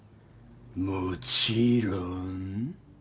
もちろん？